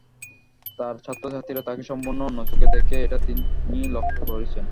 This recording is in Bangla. তাঁর ছাত্রছাত্রীরা তাঁকে সম্পূর্ণ অন্য চোখে দেখে এটা তিনি লক্ষ করেছেন।